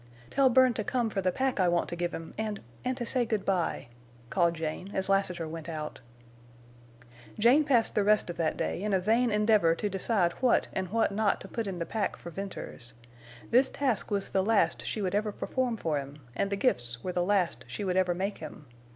"Tell Bern to come for the pack I want to give him—and—and to say good by," called Jane, as Lassiter went out. Jane passed the rest of that day in a vain endeavor to decide what and what not to put in the pack for Venters. This task was the last she would ever perform for him, and the gifts were the last she would ever make him.